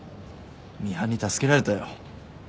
ミハンに助けられたよ。